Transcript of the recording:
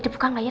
dibuka gak ya